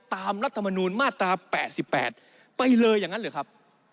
รัฐมนูลมาตรา๘๘ไปเลยอย่างนั้นหรือครับ